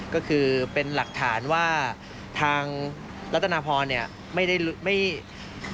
ก็คือเป็นหลักฐานว่าทางรัฐนพรไม่ได้รู้